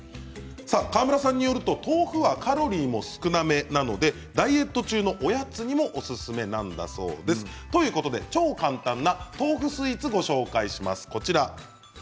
河村さんによると豆腐はカロリーも少なめなのでダイエット中のおやつにもおすすめなんだそうです。ということで、超簡単な豆腐スイーツをご紹介します。